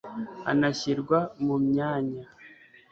anashyirwa mu mwanya